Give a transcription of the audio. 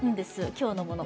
今日のもの。